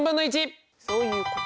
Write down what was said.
そういうこと。